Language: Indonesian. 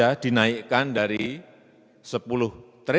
yang ketiga tentang kartu prakerja